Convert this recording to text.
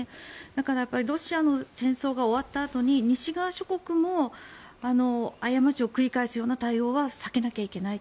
だからロシアの戦争が終わったあとに西側諸国も過ちを繰り返すような対応は避けなきゃいけない。